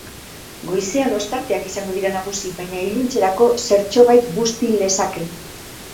Goizean ostarteak izango dira nagusi, baina iluntzerako zertxobait busti lezake.